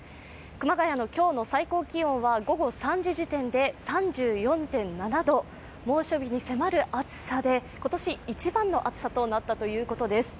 熊谷の今日の最高気温は午後３時時点で３４．７度、猛暑日に迫る暑さで今年一番の暑さとなったということです。